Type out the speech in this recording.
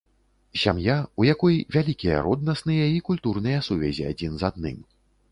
Сям'я, у якой вялікія роднасныя і культурныя сувязі адзін з адным.